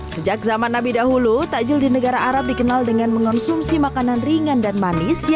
sejak zaman nabi dahulu takjil di negara arab dikenal dengan mengonsumsi makanan ringan dan manis